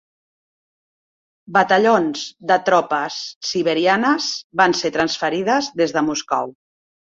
Batallons de tropes siberianes van ser transferides des de Moscou.